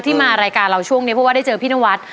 มารายการเราช่วงนี้เพราะว่าได้เจอพี่นวัด